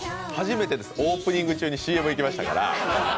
初めてです、オープニング中にＣＭ行きましたから。